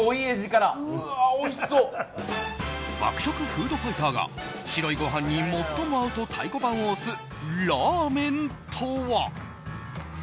爆食フードファイター白いご飯に最も合うという太鼓判を押すラーメンとは？